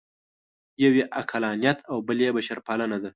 یو یې عقلانیت او بل یې بشرپالنه ده.